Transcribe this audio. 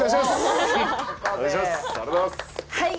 はい！